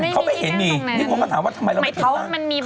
เขาไปเห็นมีมันถามว่าทำไมเราไม่ติดตั้ง